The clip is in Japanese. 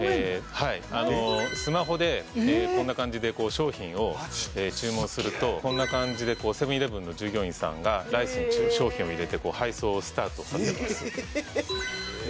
はいスマホでこんな感じで商品を注文するとこんな感じでセブン−イレブンの従業員さんがライスに商品を入れて配送をスタートさせますで